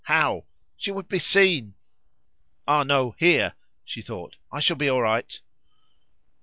How? She would be seen! "Ah, no! here," she thought, "I shall be all right."